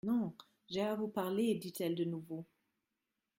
Non, j'ai à vous parler, dit-elle de nouveau.